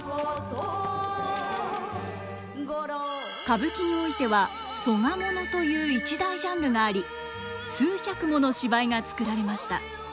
歌舞伎においては「曽我もの」という一大ジャンルがあり数百もの芝居が作られました。